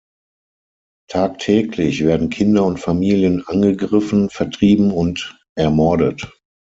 Tagtäglich werden Kinder und Familien angegriffen, vertrieben und ermordet.